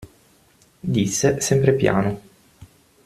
Disse, sempre piano.